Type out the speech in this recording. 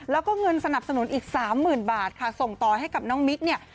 แล้วก็เงินสนับสนุนอีกสามหมื่นบาทค่ะส่งต่อให้กับน้องมิ๊กเนี่ย